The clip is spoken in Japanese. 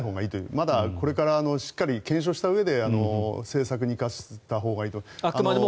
まだこれからしっかり検証したうえで政策に生かしたほうがいいと思います。